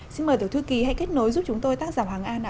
xin mời tổ thư ký hãy kết nối giúp chúng tôi tác giả hoàng an ạ